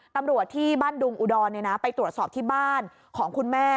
ตำรวจที่บ้านดุงอุดรไปตรวจสอบที่บ้านของคุณแม่